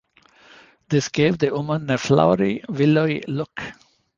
This gave the woman a flowery, willowy look.